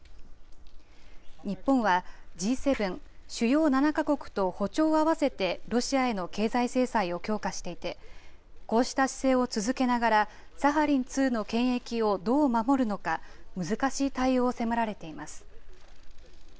日本は、Ｇ７・主要７か国と歩調を合わせてロシアへの経済制裁を強化していて、こうした姿勢を続けながら、サハリン２の権益をどう守るのか、難しい対応を迫られています。